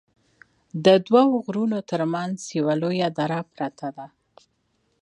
ددوو غرونو تر منځ یوه لویه دره پراته ده